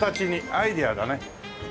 アイデアだね。